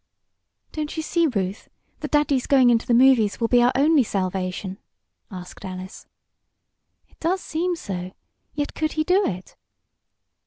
"Don't you see, Ruth, that daddy's going into the movies will be our only salvation?" asked Alice. "It does seem so. Yet could he do it?"